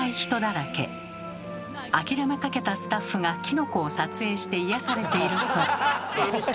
諦めかけたスタッフがキノコを撮影して癒やされていると。